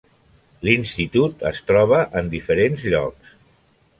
L'institut es troba en diferents llocs.